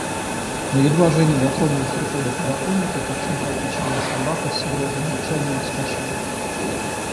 Но едва Женя дотронулась рукой до подоконника, как симпатичная собака с грозным рычанием вскочила.